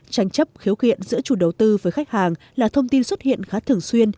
tranh chấp khiếu kiện giữa chủ đầu tư với khách hàng là thông tin xuất hiện khá thường xuyên